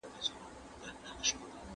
په شعر کې تکرار نه شي مخنیوی کېدای.